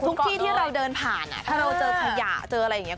ที่ที่เราเดินผ่านถ้าเราเจอขยะเจออะไรอย่างนี้